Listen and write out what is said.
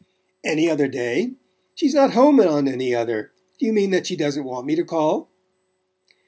"Any other day? She's not at home on any other. Do you mean she doesn't want me to call?"